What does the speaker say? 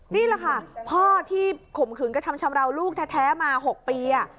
นี่แหละค่ะพ่อที่ข่มขืนกระทำชำราวลูกแท้มา๖ปี